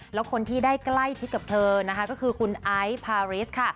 แล้วคนที่ได้ใกล้ชิดกับเธอนะคะก็คือคุณไอซ์พาริสค่ะ